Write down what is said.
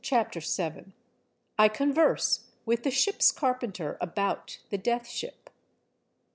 CHAPTER VII. I CONVERSE WITH THE SHIP's CARPENTER ABOUT THE DEATH SHIP.